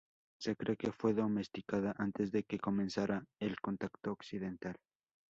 Se cree que fue domesticada antes de que comenzara el contacto occidental.